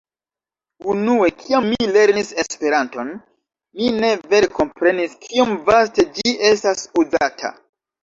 Unue, kiam mi lernis Esperanton, mi ne vere komprenis kiom vaste ĝi estas uzata.